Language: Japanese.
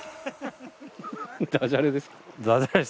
ダジャレですか。